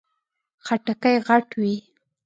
خټکی غټ وي.